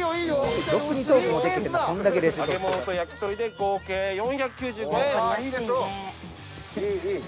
揚物と焼鳥で合計４９５円。